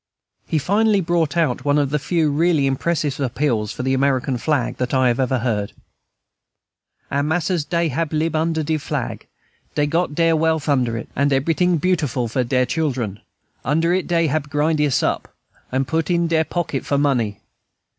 He finally brought out one of the few really impressive appeals for the American flag that I have ever heard. "Our mas'rs dey hab lib under de flag, dey got dere wealth under it, and ebryting beautiful for dere chilen. Under it dey hab grind us up, and put us in dere pocket for money.